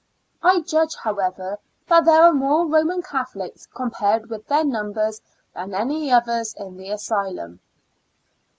I judge, however, that there are more Roman Catholics, compared with their numbers, than any others in the asylum.